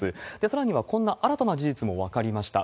さらにはこんな新たな事実も分かりました。